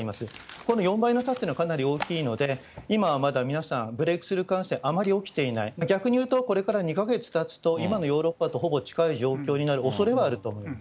この４倍の差っていうのはかなり大きいので、今はまだ皆さん、ブレークスルー感染あまり起きていない、逆に言うと、これから２か月たつと、今のヨーロッパとほぼ近い状況になるおそれはあると思います。